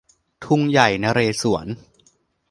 ทุ่งใหญ่นเรศวร